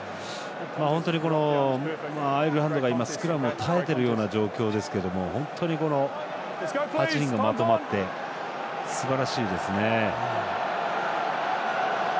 本当にアイルランドがスクラムを耐えているような状況ですけど本当に８人がまとまってすばらしいですね。